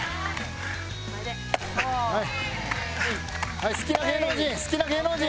はい好きな芸能人好きな芸能人。